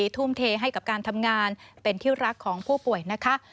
ทุ่มเทให้กับการทำงานเป็นที่รักของผู้ป่วยนะคะ